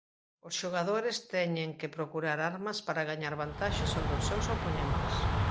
Os xogadores teñen que procurar armas para gañar vantaxe sobre os seus opoñentes.